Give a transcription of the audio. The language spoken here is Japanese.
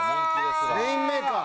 レインメーカー。